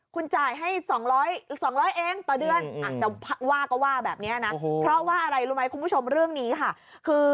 คุณจ่ายให้๒๐๐๒๐๐เองต่อเดือนอาจจะว่าก็ว่าแบบนี้นะเพราะว่าอะไรรู้ไหมคุณผู้ชมเรื่องนี้ค่ะคือ